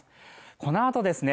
このあとですね